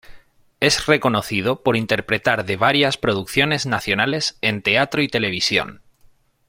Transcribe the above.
Es reconocido por interpretar de varias producciones nacionales en teatro y televisión.